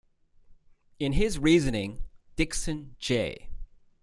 In his reasoning, Dickson J.